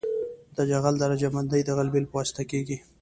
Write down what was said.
د جغل درجه بندي د غلبیل په واسطه کیږي